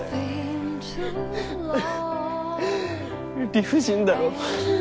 理不尽だろ。